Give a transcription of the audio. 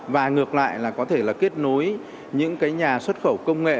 và ngược lại là có thể là kết nối những cái nhà xuất khẩu công nghệ